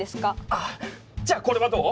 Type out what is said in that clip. あっじゃあこれはどう？